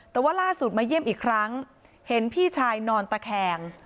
แต่ว่าล่าสุดมาเยี่ยมอีกครั้งเห็นพี่ชายนอนตะแคง